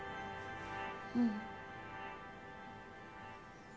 うん。